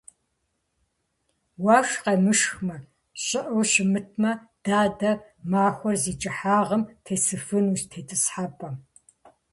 Уэшх къемышхмэ, щӀыӀэу щымытмэ, дадэ махуэр зи кӀыхьагъым тесыфынущ тетӏысхьэпӏэм.